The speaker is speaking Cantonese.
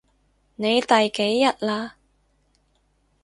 你第幾日喇？